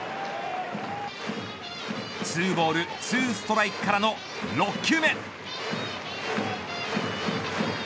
２ボール２ストライクからの６球目。